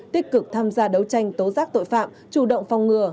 tích cực tham gia đấu tranh tố giác tội phạm chủ động phòng ngừa